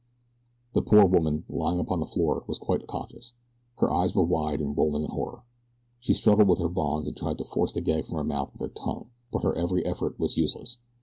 The poor woman, lying upon the floor, was quite conscious. Her eyes were wide and rolling in horror. She struggled with her bonds, and tried to force the gag from her mouth with her tongue; but her every effort was useless.